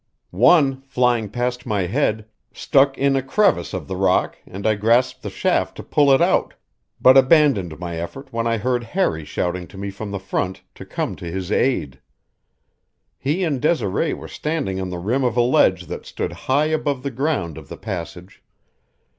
One, flying past my head, stuck in a crevice of the rock and I grasped the shaft to pull it out, but abandoned my effort when I heard Harry shouting to me from the front to come to his aid. He and Desiree were standing on the rim of a ledge that stood high above the ground of the passage.